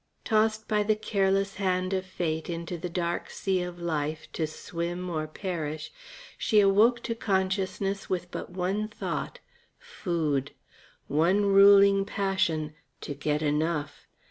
Tossed by the careless hand of Fate into the dark sea of life to swim or perish, she awoke to consciousness with but one thought food; one ruling passion to get enough.